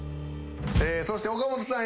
そして岡本さん